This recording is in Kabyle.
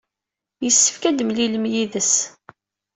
Yessefk ad temlilem yid-s.